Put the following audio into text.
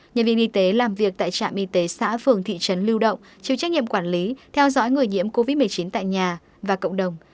nhân viên y tế làm việc tại trạm y tế xã phường thị trấn lưu động chịu trách nhiệm quản lý theo dõi người nhiễm covid một mươi chín tại nhà và cộng đồng